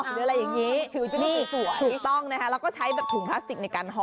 หรืออะไรอย่างนี้ผิวที่นี่ถูกต้องนะคะแล้วก็ใช้แบบถุงพลาสติกในการห่อ